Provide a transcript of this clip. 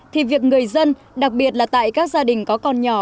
thì việc người dân đặc biệt là tại các gia đình có con nhỏ